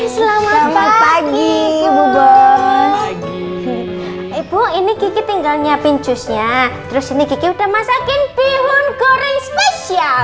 selamat pagi ibu ibu ini tinggalnya pincusnya terus ini udah masakin pihun goreng spesial